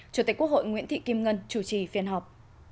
chủ tịch quốc hội nguyễn thị kim ngân chủ trì phiên họp